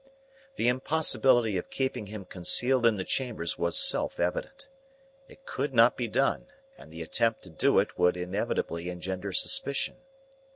The impossibility of keeping him concealed in the chambers was self evident. It could not be done, and the attempt to do it would inevitably engender suspicion.